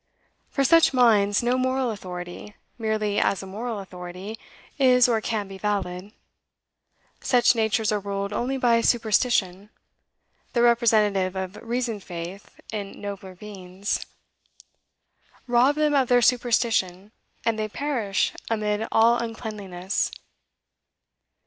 For such minds no moral authority merely as a moral authority is or can be valid. Such natures are ruled only by superstition the representative of reasoned faith in nobler beings. Rob them of their superstition, and they perish amid all uncleanliness.